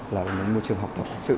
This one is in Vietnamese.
là một môi trường học tập thực sự